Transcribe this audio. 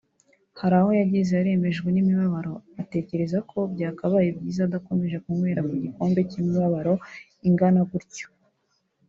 Hari aho yageze arembejwe n’imibabaro atekereza ko byakabaye byiza adakomeje kunywera ku gikombe cy’imibabaro ingana gutyo